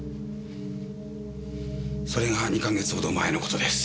それが２か月ほど前の事です。